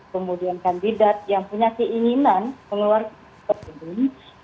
kemudian kandidat yang punya keinginan mengeluarkan keputusan